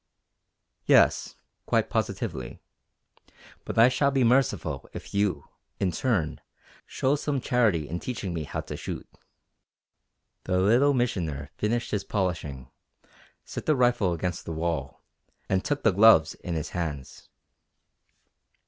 "Yes, quite positively. But I shall be merciful if you, in turn, show some charity in teaching me how to shoot." The Little Missioner finished his polishing, set the rifle against the wall, and took the gloves in his hands.